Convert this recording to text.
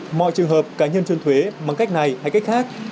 thì mọi trường hợp cá nhân trốn thuế bằng cách này hay cách khác